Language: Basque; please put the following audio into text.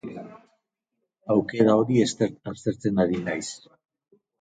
Aukera hori aztertzen ari naiz.